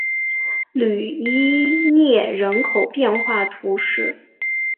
吕伊涅人口变化图示